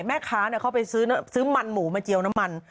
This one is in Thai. แม่ค้าเขาไปซื้อมันหมูมาเจียวน้ำมัน